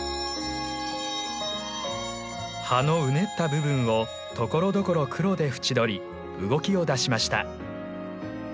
葉のうねった部分をところどころ黒で縁取り動きを出しました。